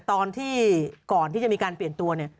ตอนที่ก่อนที่จะมีการเปลี่ยนตัวเนี่ย